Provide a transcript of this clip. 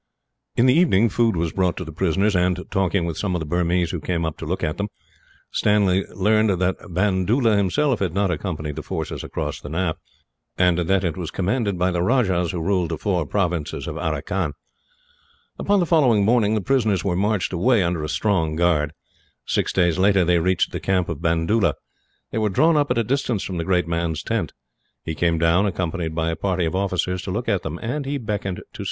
In the evening food was brought to the prisoners and, talking with some of the Burmese who came up to look at them, Stanley learned that Bandoola himself had not accompanied the force across the Naaf, and that it was commanded by the rajahs who ruled the four provinces of Aracan. Upon the following morning the prisoners were marched away, under a strong guard. Six days later they reached the camp of Bandoola. They were drawn up at a distance from the great man's tent. He came down, accompanied by a party of officers, to look at them. He beckoned to Stanley.